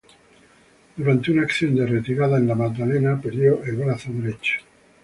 Durante una acción de retirada en La Magdalena perdió el brazo derecho.